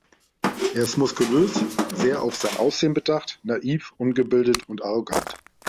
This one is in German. Er ist muskulös, sehr auf sein Aussehen bedacht, naiv, ungebildet und arrogant.